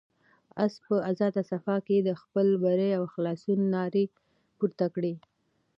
آس په آزاده فضا کې د خپل بري او خلاصون ناره پورته کړه.